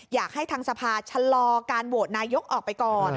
อยากให้ทางสภาชะลอการโหวตนายกออกไปก่อน